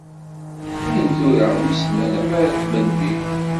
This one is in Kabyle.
Dayen tura, wissen alamma d melmi.